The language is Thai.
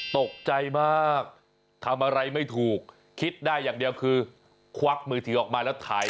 ตกใจมากทำอะไรไม่ถูกคิดได้อย่างเดียวคือควักมือถือออกมาแล้วถ่าย